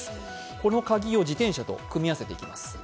この鍵を自転車と組み合わせていきます。